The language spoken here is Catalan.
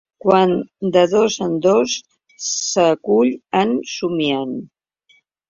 Quan de dos en dos se cull en somiant.